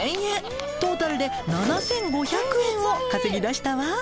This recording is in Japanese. トータルで７，５００円を稼ぎだしたわ。